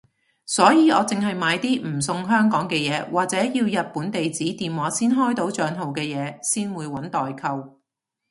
所以我淨係買啲唔送香港嘅嘢或者要日本地址電話先開到帳號嘅嘢先會搵代購